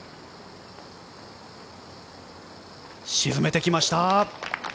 沈めてきました。